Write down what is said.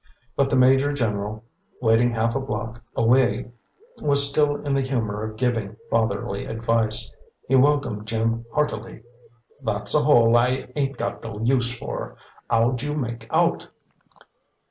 But the major general, waiting half a block away, was still in the humor of giving fatherly advice. He welcomed Jim heartily. "That's a hole I ain't got no use for. 'Ow'd you make out?"